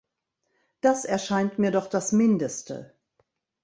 Das erscheint mir doch das Mindeste.